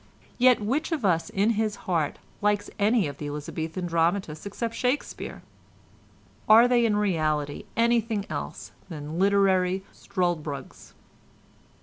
Yet which of us in his heart likes any of the Elizabethan dramatists except Shakespeare? Are they in reality anything else than literary Struldbrugs?